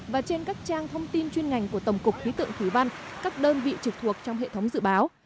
và trên các trang thông tin chuyên ngành của tổng cục khí tượng thủy văn các đơn vị trực thuộc trong hệ thống dự báo